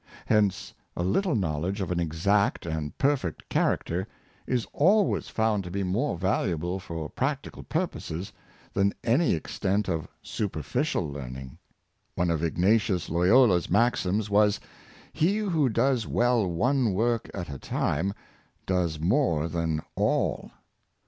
Hence a lit tle knowledge of an exact and perfect character, is al ways found more valuable for practical purposes than any extent of superficial learning. One of Ignatius Loyola's maxims was, " He who does well one work at a time, does more than all."